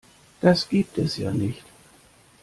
Das gibt es ja nicht!